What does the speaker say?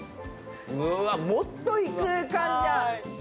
うわもっと異空間じゃん。